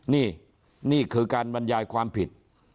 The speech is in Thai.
นี่นี่คือการบรรยายความผิด